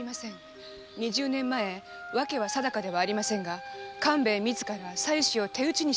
二十年前訳は定かではありませぬが勘兵衛自ら妻子を手討ちにしたとか。